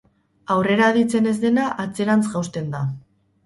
Aurrera aditzen ez dena atzerantz jausten da.